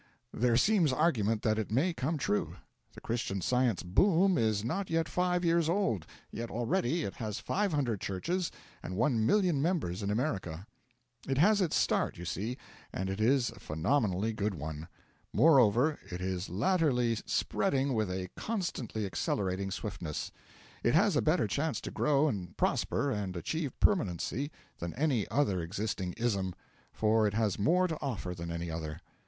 There seems argument that it may come true. The Christian Science 'boom' is not yet five years old; yet already it has 500 churches and 1,000,000 members in America. It has its start, you see, and it is a phenomenally good one. Moreover, it is latterly spreading with a constantly accelerating swiftness. It has a better chance to grow and prosper and achieve permanency than any other existing 'ism;' for it has more to offer than any other.